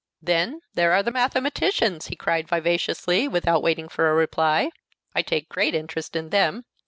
"Then there are the mathematicians!" he cried vivaciously, without waiting for a reply. "I take great interest in them.